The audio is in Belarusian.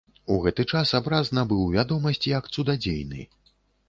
У гэты час абраз набыў вядомасць як цудадзейны.